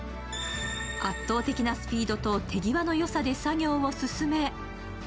圧倒的なスピードと手際のよさで作業を進め